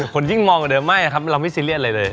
คนยิ่งมองกว่าเดิมไม่ครับเราไม่ซีเรียสอะไรเลย